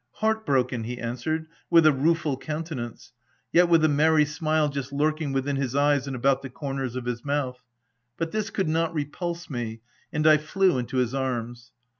u Heart broken I" he answered, with a rueful countenance — yet with a merry smile just lurk ing within his eyes and about the corners of his mouth ; but this could not repulse me, and I flew into his arms.